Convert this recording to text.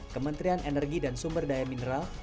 kementerian energi dan sumber daya mineral